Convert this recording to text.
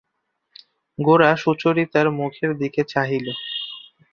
গোরা সুচরিতার মুখের দিকে চাহিল।